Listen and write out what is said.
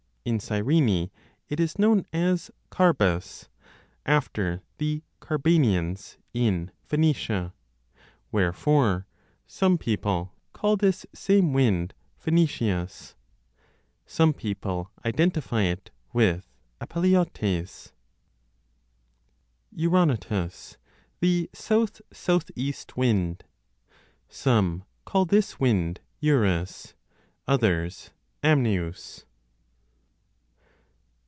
In Cyrene it is known as Carbas after the Car 5 banians in Phoenicia ; wherefore some people call this same wind Phoenicias. Some people identify it with Apeliotes. Euronotus 5 (the South South East Wind). Some call this wind Eurus, others Amneus.